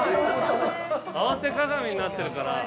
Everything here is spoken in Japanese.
合わせ鏡になってるから。